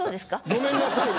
ごめんなさいね。